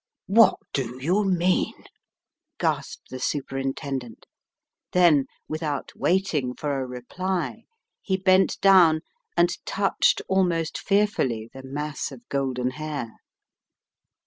"What do you mean?" gasped the Superintendent. Then, without waiting for a reply, he bent down and touched almost fearfully the mass of golden hair.